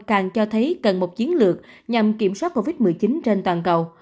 càng cho thấy cần một chiến lược nhằm kiểm soát covid một mươi chín trên toàn cầu